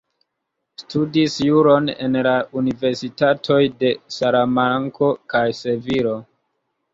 Studis juron en la universitatoj de Salamanko kaj Sevilo.